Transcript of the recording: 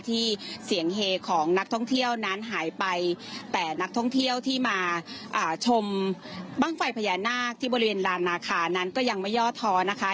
ที่เสียงเฮของนักท่องเที่ยวนั้นหายไปแต่นักท่องเที่ยวที่มาชมบ้างไฟพญานาคที่บริเวณลานนาคานั้นก็ยังไม่ย่อท้อนะคะ